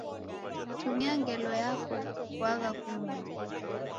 Tumia ngelo yako kukuagha kumoni.